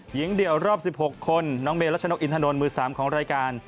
เดี่ยวรอบ๑๖คนน้องเมรัชนกอินทนนท์มือ๓ของรายการ